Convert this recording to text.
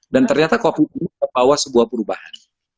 dan ternyata covid ini membawa sebuah perubahan